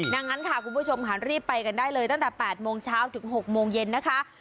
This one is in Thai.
ดังนั้นค่ะคุณผู้ชมค่ะรีบไปกันได้เลยตั้งแต่๘โมงเช้าถึง๖โมงเย็นนะคะ